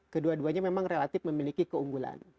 kedua duanya memang relatif memiliki keunggulan